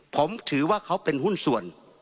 ผมถือว่าเขาเป็นหุ้นส่วน